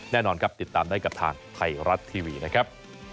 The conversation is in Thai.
แน่นอนครับติดตามได้กับทางไทยรัฐทีวีนะครับ